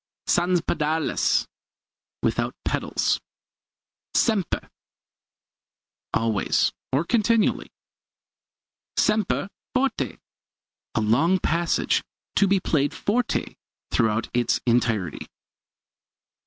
Sans pedales without pedals. Sempre always, or continually. Sempre forte a long passage to be played forte throughout its entirety.